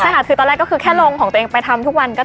ใช่ค่ะคือตอนแรกก็คือแค่ลงของตัวเองไปทำทุกวัน